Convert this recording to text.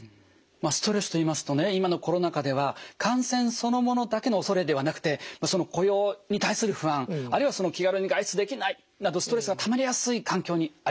ストレスと言いますとね今のコロナ禍では感染そのものだけの恐れではなくて雇用に対する不安あるいは気軽に外出できないなどストレスがたまりやすい環境にありますよね。